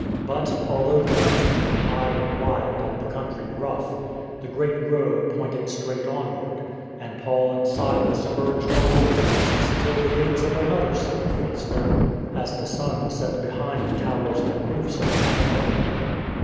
But, although the mountains were high and wild and the country rough, the great road pointed straight onward, and Paul and Silas urged on their beasts till the gates of another city faced them as the sun set behind the towers and roofs of Apollonia.